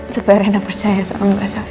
supaya rena percaya sama mbak sofya